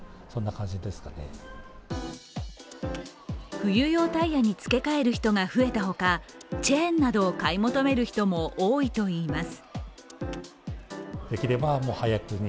冬用タイヤに付け替える人が増えたほかチェーンなどを買い求める人も多いといいます。